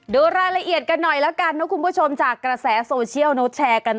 ดูรายละเอียดกันหน่อยแล้วกันนะคุณผู้ชมจากกระแสโซเชียลเขาแชร์กัน